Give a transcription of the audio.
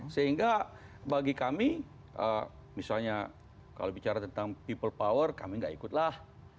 sehingga bagi kami misalnya kalau bicara tentang people power kami nggak ikutlah